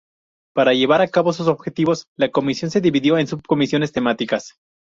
Para llevar a cabo sus objetivos, la Comisión se dividió en subcomisiones temáticas.